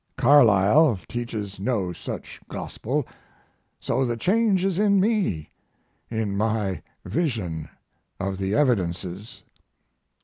Carlyle teaches no such gospel, so the change is in me in my vision of the evidences.